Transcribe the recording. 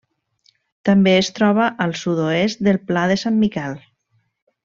També es troba al sud-oest del Pla de Sant Miquel.